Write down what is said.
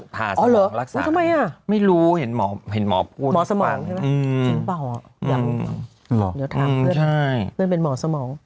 พาสมองรักษาไม่รู้เห็นหมอพูดจริงป่ะหรออยากถามเพื่อนเพื่อนเป็นหมอสมอง